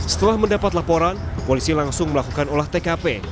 setelah mendapat laporan polisi langsung melakukan olah tkp